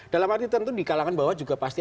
dalam arti tentu di kalangan bawah juga pasti